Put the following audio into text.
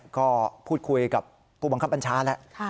ก็พูดคุยกับผู้บังคับบัญชาแล้ว